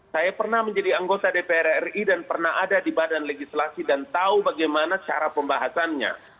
saya pernah menjadi anggota dpr ri dan pernah ada di badan legislasi dan tahu bagaimana cara pembahasannya